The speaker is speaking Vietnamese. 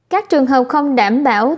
các trường hợp không đảm bảo